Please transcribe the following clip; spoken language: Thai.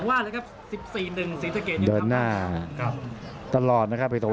อัศวินาศาสตร์